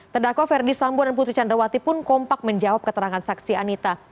terdakwa verdi sambo dan putri candrawati pun kompak menjawab keterangan saksi anita